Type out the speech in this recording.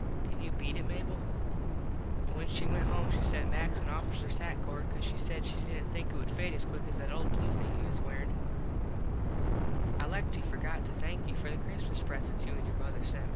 Can you beat it Mable? An when she went home she sent Max an officers hat cord cause she said she didnt think it would fade as quick as that old blue thing he was wearin. I like to forgot to thank you for the Christmas presents you an your mother sent.